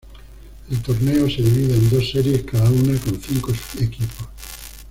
El torneo se divide en dos series, cada una con cinco equipos.